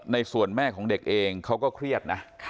ในส่วนแม่ของเด็กเองเขาก็เครียดนะ